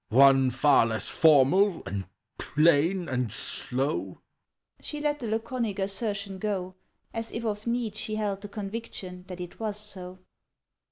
"One far less formal and plain and slow!" She let the laconic assertion go As if of need She held the conviction that it was so.